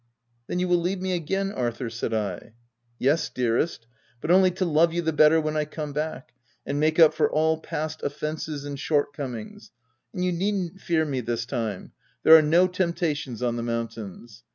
"Then you will leave me again, Arthur }" said I. " Yes, dearest, but only to love you the bet ter when I come back, and make up for all past offences and short comings; and you needn't fear me this time ; there are no temptations on the mountains.